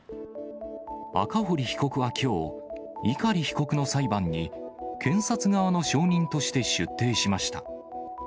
赤堀被告はきょう、碇被告の裁判に、検察側の証人として出廷しました。